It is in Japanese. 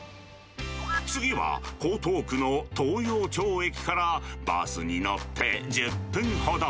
次は、江東区の東陽町駅からバスに乗って１０分ほど。